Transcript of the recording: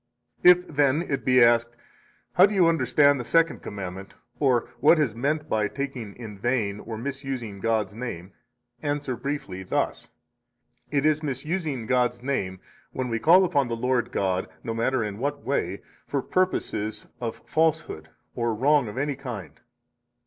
51 If, then, it be asked: How do you understand the Second Commandment, or what is meant by taking in vain, or misusing God's name? answer briefly thus: It is misusing God's name when we call upon the Lord God, no matter in what way, for purposes of falsehood or wrong of any kind.